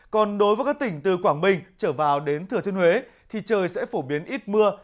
còn đối với các tỉnh từ quảng bình trở vào đến thừa thiên huế thì trời sẽ phổ biến ít mưa